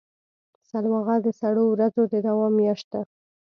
سلواغه د سړو ورځو د دوام میاشت ده.